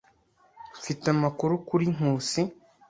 Mfite amakuru kuri Nkusi.